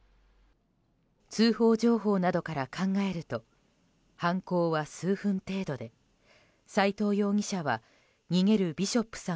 通報情報などから考えると犯行は数分程度で斎藤容疑者は逃げるビショップさん